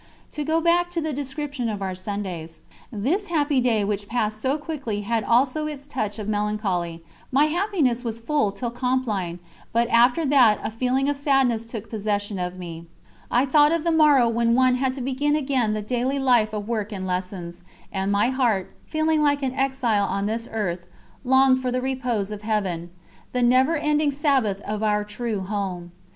To go back to the description of our Sundays. This happy day which passed so quickly had also its touch of melancholy; my happiness was full till Compline, but after that a feeling of sadness took possession of me. I thought of the morrow when one had to begin again the daily life of work and lessons, and my heart, feeling like an exile on this earth, longed for the repose of Heaven the never ending Sabbath of our true Home.